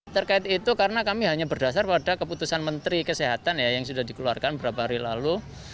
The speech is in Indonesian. terkait itu karena kami hanya berdasar pada keputusan menteri kesehatan yang sudah dikeluarkan beberapa hari lalu